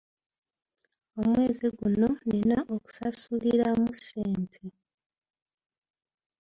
Omwezi guno nnina okusasuliramu ssente.